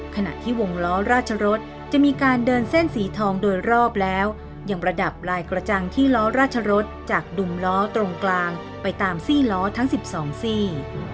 ขณะที่วงล้อราชรสจะมีการเดินเส้นสีทองโดยรอบแล้วยังประดับลายกระจังที่ล้อราชรสจากดุมล้อตรงกลางไปตามซี่ล้อทั้ง๑๒ซี่